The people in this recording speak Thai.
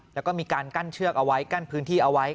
แล้วก็มีการกั้นเชือกเอาไว้กั้นพื้นที่เอาไว้